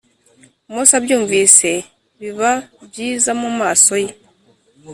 Mose abyumvise biba byiza mu maso ye